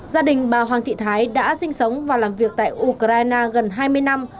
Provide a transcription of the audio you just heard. gia đình bà hoàng thị thái đã sinh sống và làm việc tại ukraine gần hai mươi năm